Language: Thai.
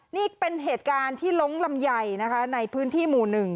นี่เป็นเหตุการณ์ที่ล้งลำไยนะคะในพื้นที่หมู่๑